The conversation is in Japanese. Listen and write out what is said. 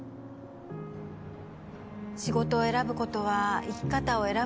仕事を選ぶことは生き方を選ぶこと。